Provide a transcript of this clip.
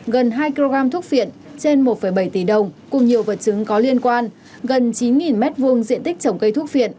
gần hai kg thuốc viện trên một bảy tỷ đồng cùng nhiều vật chứng có liên quan gần chín m hai diện tích trồng cây thuốc viện